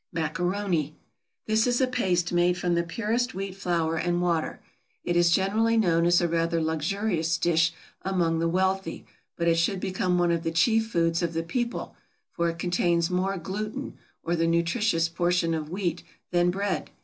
=Macaroni.= This is a paste made from the purest wheat flour and water; it is generally known as a rather luxurious dish among the wealthy; but it should become one of the chief foods of the people, for it contains more gluten, or the nutritious portion of wheat, than bread.